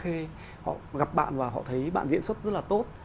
khi họ gặp bạn và họ thấy bạn diễn xuất rất là tốt